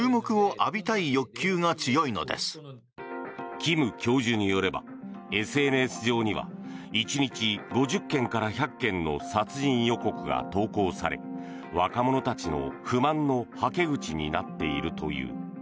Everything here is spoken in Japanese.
キム教授によればＳＮＳ上には１日５０件から１００件の殺人予告が投稿され若者たちの不満のはけ口になっているという。